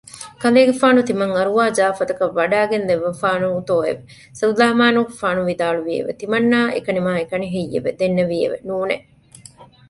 ކަލޭގެފާނު ތިމަން އަރުވާ ޖާފަތަކަށް ވަޑައިގެންދެއްވާފާނޫތޯއެވެ؟ ސުލައިމާނުގެފާނު ވިދާޅުވިއެވެ ތިމަންނާ އެކަނިމާއެކަނިހެއްޔެވެ؟ ދެންނެވިއެވެ ނޫނެއް